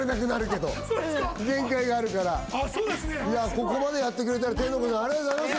ここまでやってくれた天の声さん、ありがとうございます。